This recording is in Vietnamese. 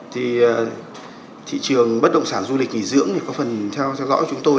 thì thị trường bất động sản du lịch nghỉ dưỡng thì có phần theo dõi của chúng tôi